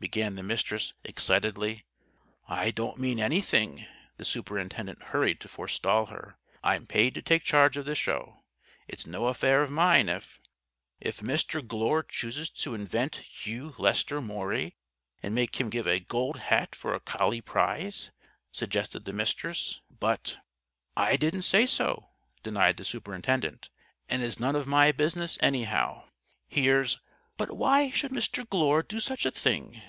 began the Mistress, excitedly. "I don't mean anything," the Superintendent hurried to forestall her. "I'm paid to take charge of this Show. It's no affair of mine if " "If Mr. Glure chooses to invent Hugh Lester Maury and make him give a Gold Hat for a collie prize?" suggested the Mistress. "But " "I didn't say so," denied the superintendent. "And it's none of my business, anyhow. Here's " "But why should Mr. Glure do such a thing?"